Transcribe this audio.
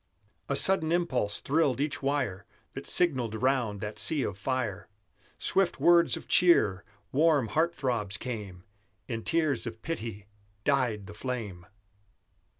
A sudden impulse thrilled each wire That signalled round that sea of fire; Swift words of cheer, warm heart throbs came; In tears of pity died the flame!